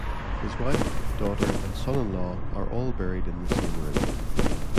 His wife, daughter, and son-in-law are all buried in the same room.